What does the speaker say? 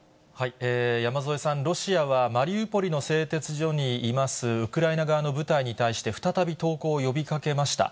山添さん、ロシアはマリウポリの製鉄所にいますウクライナ側の部隊に対して、再び投降を呼びかけました。